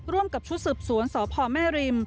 ร่วมกับชุดสืบสวนสพแม่ริม